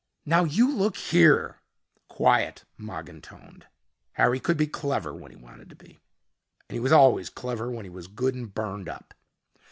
"Now you look here " "Quiet," Mogin toned. "Harry could be clever when he wanted to be, and he was always clever when he was good and burned up.